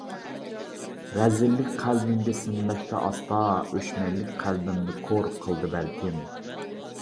رەزىللىك قەلبىمگە سىڭمەكتە ئاستا، ئۆچمەنلىك قەلبىمنى كور قىلدى بەلكىم.